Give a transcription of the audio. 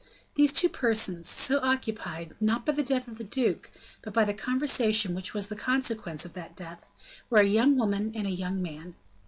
These two persons, so occupied, not by the death of the duke, but by the conversation which was the consequence of that death, were a young woman and a young man.